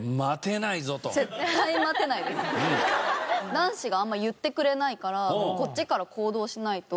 男子があんま言ってくれないからこっちから行動しないと。